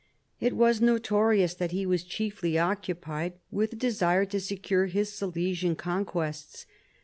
It was notorious that he was chiefly occupied with the desire to secure his Silesian conquests.